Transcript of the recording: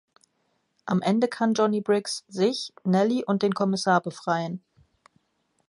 Am Ende kann Johnny Briggs sich, Nelly und den Kommissar befreien.